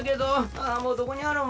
ああもうどこにあるん？